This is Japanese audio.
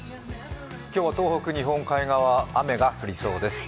今日は東北日本海側は雨が降りそうです。